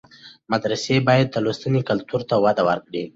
مدرسې باید د لوستنې کلتور ته وده ورکړي.